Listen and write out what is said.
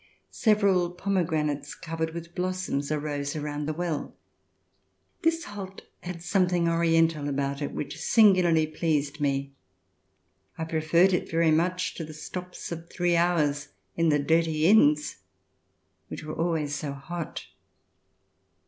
Several pomegranates covered with blossoms arose around the well. This halt had something oriental about it which singularly pleased me. I preferred it very much to the stops of three hours in the dirty inns which were always so hot.